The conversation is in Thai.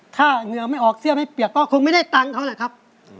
ถ้าเหงื่อไม่ออกเสื้อไม่เปียกก็คงไม่ได้ตังค์เขาแหละครับ